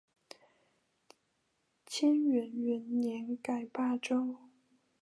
干元元年改霸州。